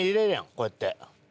こうやって。